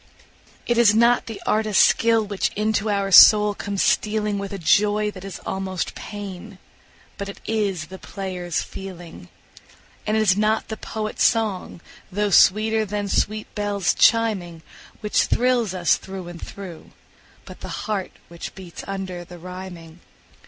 It is not the artist's skill which into our soul comes stealing With a joy that is almost pain, but it is the player's feeling. And it is not the poet's song, though sweeter than sweet bells chiming, Which thrills us through and through, but the heart which beats under the rhyming.